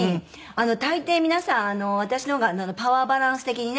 大抵皆さん私の方がパワーバランス的にね